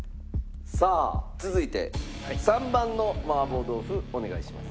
さあ続いて３番の麻婆豆腐お願いします。